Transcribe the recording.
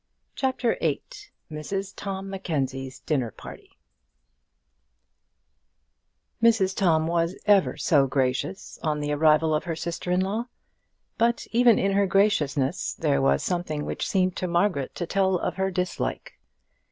CHAPTER VIII Mrs Tom Mackenzie's Dinner Party Mrs Tom was ever so gracious on the arrival of her sister in law, but even in her graciousness there was something which seemed to Margaret to tell of her dislike.